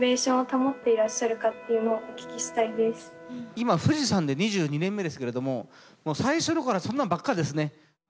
今富士山で２２年目ですけれどももう最初の頃はそんなんばっかですね。